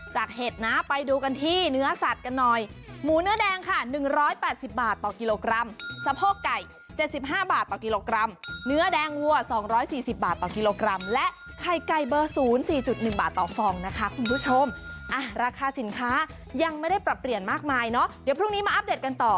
จากเห็ดนะไปดูกันที่เนื้อสัตว์กันหน่อยหมูเนื้อแดงค่ะหนึ่งร้อยแปดสิบบาทต่อกิโลกรัมสะโพกไก่เจ็ดสิบห้าบาทต่อกิโลกรัมเนื้อแดงวัวสองร้อยสี่สิบบาทต่อกิโลกรัมและไข่ไก่เบอร์ศูนย์สี่จุดหนึ่งบาทต่อฟองนะคะคุณผู้ชมอ่ะราคาสินค้ายังไม่ได้ปรับเปลี่ยนมากมายเนาะเดี๋ยว